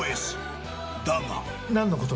だが。